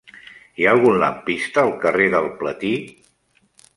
Hi ha algun lampista al carrer del Platí?